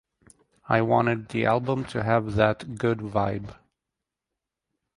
I wanted the album to have that good vibe.